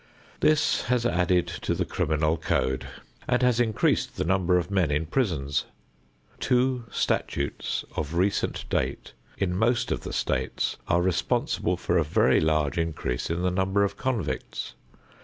This has added to the criminal code and has increased the number of men in prisons. Two statutes of recent date in most of the states are responsible for a very large increase in the number of convicts.